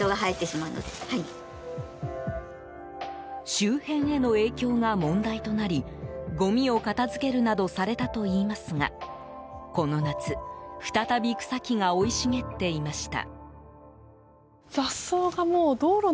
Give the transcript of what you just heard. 周辺への影響が問題となりごみを片付けるなどされたといいますがこの夏、再び草木が生い茂っていました。